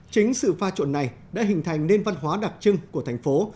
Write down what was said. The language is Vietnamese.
chính sự pha trộn này đã hình thành nền văn hóa đặc trưng của thành phố